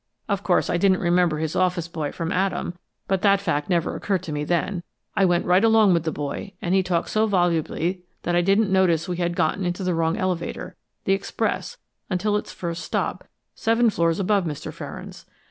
Of course, I didn't remember his office boy from Adam, but that fact never occurred to me, then. I went right along with the boy, and he talked so volubly that I didn't notice we had gotten into the wrong elevator the express until its first stop, seven floors above Mr. Ferrand's.